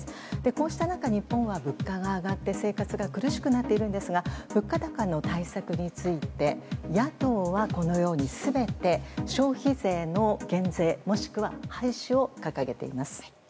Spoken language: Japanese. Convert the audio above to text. こうした中、日本は物価が上がって生活が苦しくなっているんですが物価高の対策について野党はこのように全て消費税の減税もしくは廃止を掲げています。